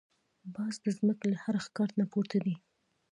باز د زمکې له هر ښکار نه پورته دی